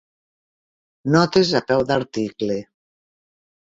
Notes a peu d'article.